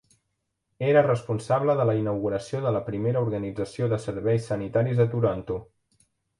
Era responsable de la inauguració de la primera organització de serveis sanitaris a Toronto.